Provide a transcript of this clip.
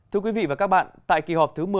thưa quý vị và các bạn tại kỳ họp thứ một mươi